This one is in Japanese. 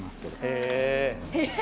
へえ。